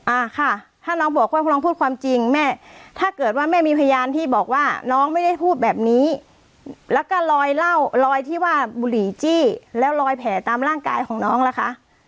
อ่าค่ะถ้าน้องบอกว่าพวกน้องพูดความจริงแม่ถ้าเกิดว่าแม่มีพยานที่บอกว่าน้องไม่ได้พูดแบบนี้แล้วก็ลอยเหล้ารอยที่ว่าบุหรี่จี้แล้วรอยแผลตามร่างกายของน้องล่ะคะ